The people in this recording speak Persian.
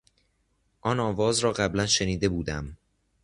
آن آواز را قبلا شنیده بودم.